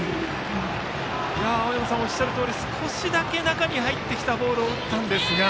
青山さんがおっしゃるよう少しだけ中に入ってきたボールを打ったんですが。